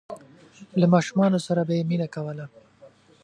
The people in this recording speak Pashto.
له ماشومانو سره به یې مینه کوله.